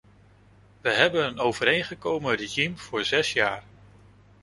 We hebben een overeengekomen regime voor zes jaar.